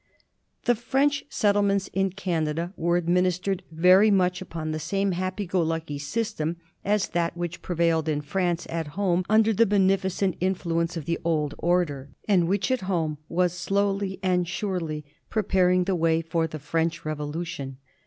The French settlements in Canada were administered very much upon the same happy go lucky system as that which prevailed in France at home under the beneficent influence of the Old Order, and which at home was slowly and surely preparing the way for the French Revolution.